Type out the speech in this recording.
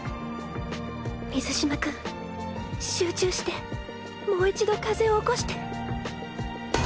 水嶋君集中してもう一度風をおこして